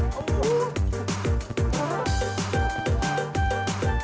belum mulus belum